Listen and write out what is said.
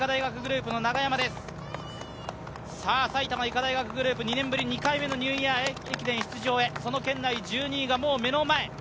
埼玉医科大学グループ、２年ぶり２回目のニューイヤー駅伝出場へその圏内、１２位がもう目の前。